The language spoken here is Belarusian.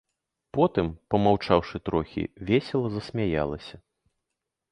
Потым, памаўчаўшы трохі, весела засмяялася.